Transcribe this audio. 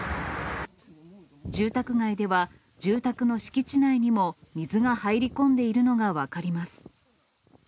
住宅街では、住宅の敷地内にも水が入り込んでいるのが分かります。